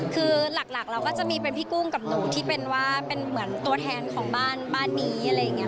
คือหลักเราก็จะมีเป็นพี่กุ้งกับหนูที่เป็นว่าเป็นเหมือนตัวแทนของบ้านบ้านนี้อะไรอย่างนี้